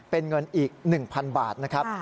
เป็นเงินอีก๑๐๐๐บาทนะครับ